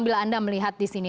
bila anda melihat di sini